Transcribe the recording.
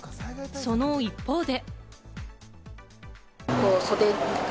その一方で。